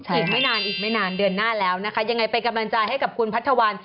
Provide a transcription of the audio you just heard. อีกไม่นานอีกไม่นานเดือนหน้าแล้วนะคะยังไงเป็นกำลังใจให้กับคุณพัทธวัน